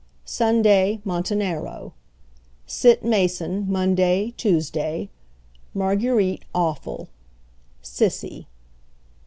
Sunday Montenero. Sit Mason Monday, Tuesday. Marguerite awful. Cissy."